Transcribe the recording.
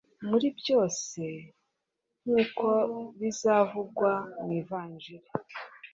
muri byose mbese nk’uko bizavugwa mu Ivanjili